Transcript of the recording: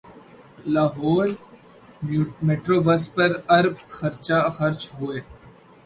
Lahore metro bus پر ارب خرچ ہوئے